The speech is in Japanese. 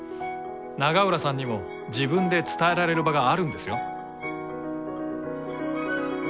永浦さんにも自分で伝えられる場があるんですよ？